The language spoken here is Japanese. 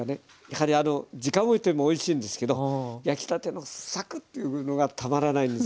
やはり時間をおいてもおいしいんですけど焼きたてのサクッというのがたまらないんですよね。